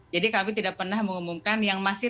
jadi kami tidak pernah mengumumkan yang masih